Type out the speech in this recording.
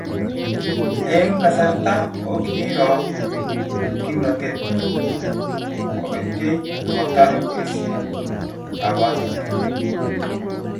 Eng kasarta ko kiiro kimnatet kobetyei akotar boisiet kabwatutik